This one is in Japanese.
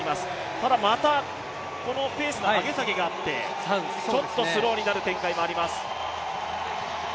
ただ、また、このペースの上げ下げがあってちょっとスローになる展開もあります。